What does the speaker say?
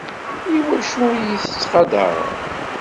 Iwacu i yi-tettqadareḍ?